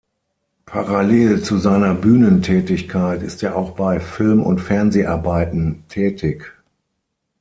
Parallel zu seiner Bühnentätigkeit ist er auch bei Film- und Fernseharbeiten tätig.